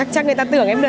em có dùng mobile